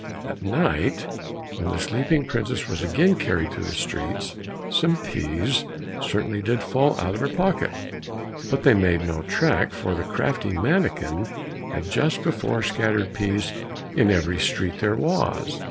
At night when the sleeping princess was again carried through the streets, some peas certainly did fall out of her pocket, but they made no track, for the crafty mannikin had just before scattered peas in every street there was.